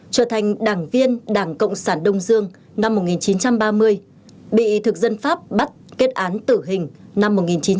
trở thành đảng viên đảng cộng sản đông dương năm một nghìn chín trăm ba mươi bị thực dân pháp bắt kết án tử hình năm một nghìn chín trăm bảy mươi